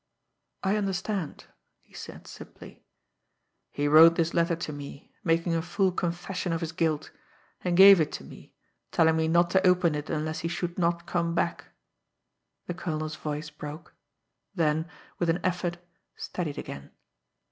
"I understand," he said simply. "He wrote this letter to me, making a full confession of his guilt; and gave it to me, telling me not to open it unless he should not come back." The colonel's voice broke; then, with an effort, steadied again.